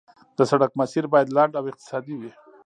د سړک مسیر باید لنډ او اقتصادي وي